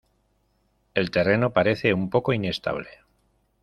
El terreno parece un poco inestable.